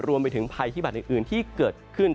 รวมไปถึงภัยพิบัตรอื่นที่เกิดขึ้น